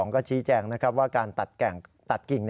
ก็ชี้แจ้งนะครับว่าการตัดแก่งตัดกิ่ง